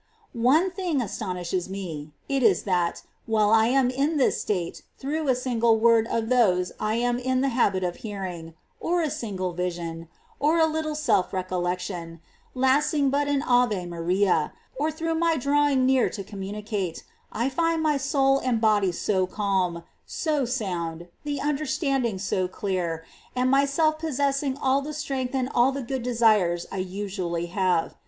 26. One thing astonishes me ; it is that, while I am in this state, through a single word of those I am in prayer. '^^^^^ the habit of hearing, or a single vision, or a little self recollection, lasting but an Ave Maria, or through my drawing near to communicate, I find my soul and body so calm, so sound, the understanding so clear, and myself possessing all the strength and all the good desu^es I usually h^ve.